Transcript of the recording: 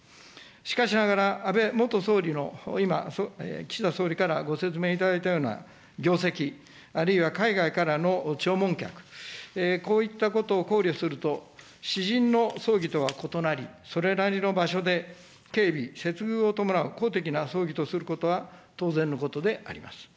しかしながら、安倍元総理の今、岸田総理からご説明いただいたような業績、あるいは海外からの弔問客、こういったことを考慮すると、私人の葬儀とは異なり、それなりの場所で警備、接遇を伴う公的な葬儀とすることは当然のことであります。